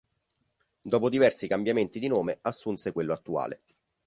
Dopo diversi cambiamenti di nome assunse quello attuale.